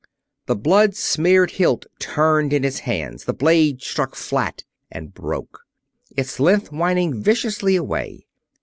The blood smeared hilt turned in his hands; the blade struck flat and broke, its length whining viciously away.